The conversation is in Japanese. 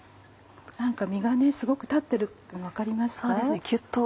何か身がすごく立ってるの分かりますか？